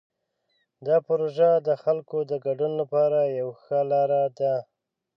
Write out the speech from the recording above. دا پروژه د خلکو د ګډون لپاره یوه ښه لاره ده.